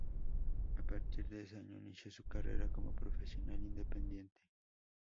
A partir de ese año, inició su carrera como profesional independiente.